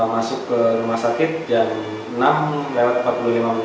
masuk ke rumah sakit jam enam lewat empat puluh lima menit